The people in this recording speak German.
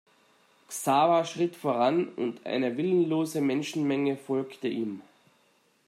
Xaver schritt voran und eine willenlose Menschenmenge folgte ihm.